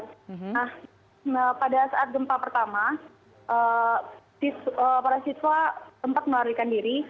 nah pada saat gempa pertama para siswa sempat melarikan diri